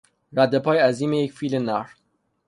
ردپای عظیم یک فیل نر